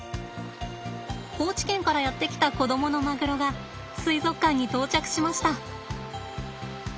高知県からやって来た子どものマグロが水族館に到着しました。